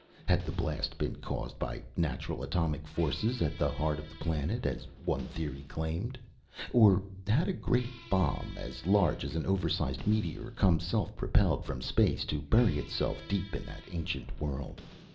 Had the blast been caused by natural atomic forces at the heart of the planet, as one theory claimed? Or had a great bomb, as large as an oversized meteor, come self propelled from space, to bury itself deep in that ancient world?